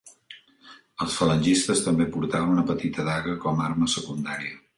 Els falangistes també portaven una petita daga com a arma secundària.